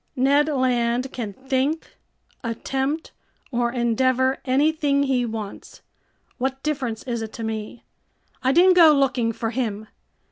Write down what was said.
"Ned Land can think, attempt, or endeavor anything he wants, what difference is it to me? I didn't go looking for him!